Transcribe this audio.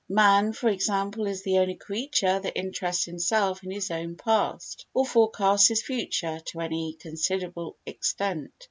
Man, for example, is the only creature that interests himself in his own past, or forecasts his future to any considerable extent.